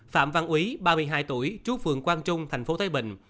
phạm văn úy ba mươi hai tuổi trú phường quang trung tp thái bình